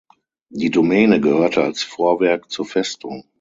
Die Domäne gehörte als Vorwerk zur Festung.